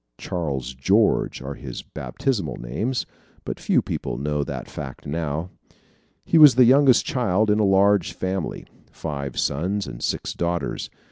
"Charles George" are his baptismal names but few people know that fact now. He was the youngest child in a large family, five sons and six daughters.